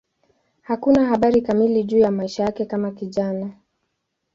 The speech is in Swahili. Hakuna habari kamili juu ya maisha yake kama kijana.